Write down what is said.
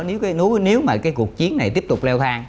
nếu cái mà cái cuộc chiến này tiếp tục leo thang